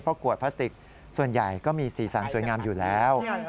เพราะขวดพลาสติกส่วนใหญ่ก็มีสีสันสวยงามอยู่แล้ว